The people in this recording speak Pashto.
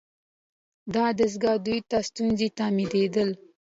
دا دستگاه دوی ته ستونزمنه تمامیدله.